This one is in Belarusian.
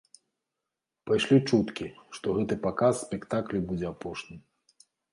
Пайшлі чуткі, што гэты паказ спектаклю будзе апошнім.